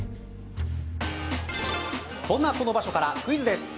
そんな、この場所からクイズです。